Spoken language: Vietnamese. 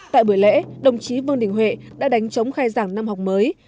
tại buổi lễ đồng chí vương đình huệ đã đánh chống khai giảng năm học mới